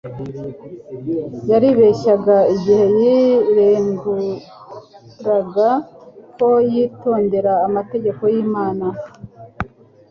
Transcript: Yaribeshyaga igihe yireguraga ko yitondera amategeko y'Imana,